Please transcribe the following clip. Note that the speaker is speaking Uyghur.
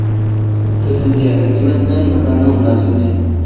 تۆتىنچى، ھۆكۈمەت بىلەن بازارنىڭ مۇناسىۋىتى.